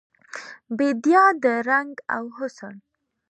بیدیا د رنګ او حسن